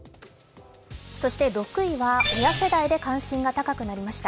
そして６位は親世代で関心が高くなりました。